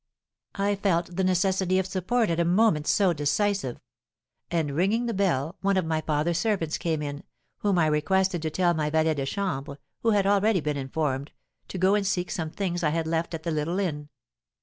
I felt the necessity of support at a moment so decisive; and ringing the bell, one of my father's servants came in, whom I requested to tell my valet de chambre (who had already been informed) to go and seek some things I had left at the little inn.